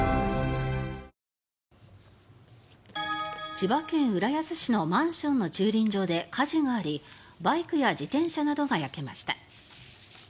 千葉県浦安市のマンションの駐輪場で火事がありバイクや自転車などが焼けました。